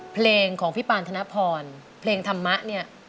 เพลงของพี่ปานธนพรเพลงธรรมะเนี่ย